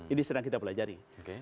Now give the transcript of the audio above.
ini sedang kita pelajari